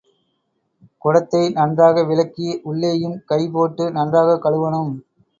குடத்தை நன்றாக விளக்கி, உள்ளேயும் கை போட்டு நன்றாகக் கழுவணும்.